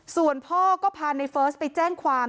ส่วนพ่อก็พาในเฟิร์สไปแจ้งความ